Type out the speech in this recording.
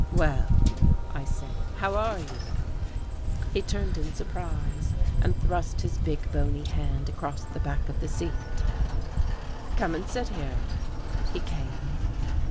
"Well," I said, "how are you?" He turned in surprise, and thrust his big, bony hand across the back of the seat. "Come and sit here." He came.